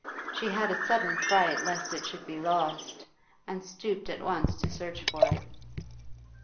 She had a sudden fright lest it should be lost, and stooped at once to search for it.